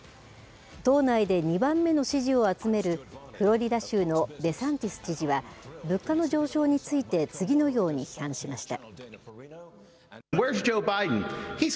党内で２番目の支持を集めるフロリダ州のデサンティス知事は物価の上昇について次のように批判しました。